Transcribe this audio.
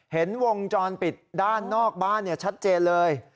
เห็นวงจรปิดด้านนอกบ้านชัดเจนเลย